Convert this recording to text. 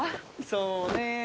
そうねぇ。